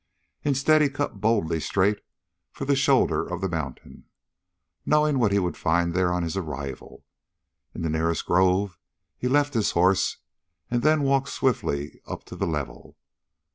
Instead he cut boldly straight for the shoulder of the mountain, knowing what he would find there on his arrival. In the nearest grove he left his horse and then walked swiftly up to the level.